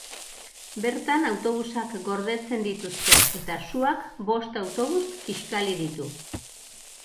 Bertan autobusak gordetzen dituzte, eta suak bost autobus kiskali ditu.